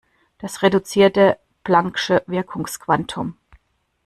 Das reduzierte plancksche Wirkungsquantum.